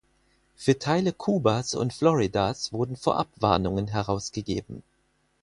Für Teile Kubas und Floridas wurden Vorabwarnungen herausgegeben.